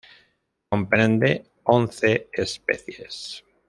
Comprende once especies.